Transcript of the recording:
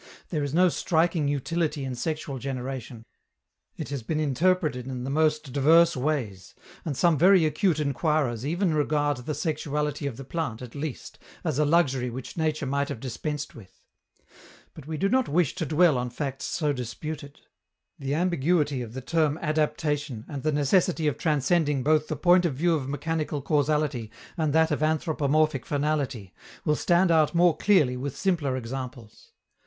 There is no striking utility in sexual generation; it has been interpreted in the most diverse ways; and some very acute enquirers even regard the sexuality of the plant, at least, as a luxury which nature might have dispensed with. But we do not wish to dwell on facts so disputed. The ambiguity of the term "adaptation," and the necessity of transcending both the point of view of mechanical causality and that of anthropomorphic finality, will stand out more clearly with simpler examples.